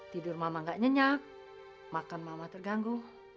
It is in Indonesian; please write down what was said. tidur mama gak nyenyak makan mama terganggu